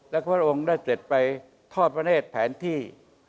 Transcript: และพระองค์ได้เสร็จไปทอดพระเนธแผนที่